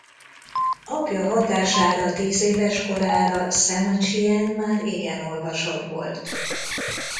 Apja hatására tízéves korára Sze-ma Csien már igen olvasott volt.